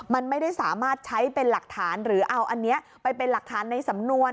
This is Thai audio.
มันไม่ได้สามารถใช้เป็นหลักฐานหรือเอาอันนี้ไปเป็นหลักฐานในสำนวน